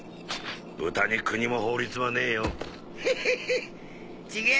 豚に国も法律もねえよ。